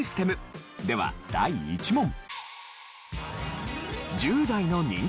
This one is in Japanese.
では第１問。